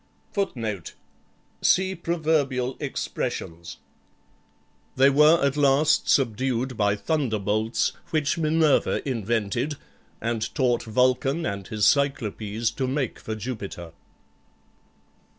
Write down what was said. [Footnote: See Proverbial Expressions.] They were at last subdued by thunderbolts, which Minerva invented, and taught Vulcan and his Cyclopes to make for Jupiter.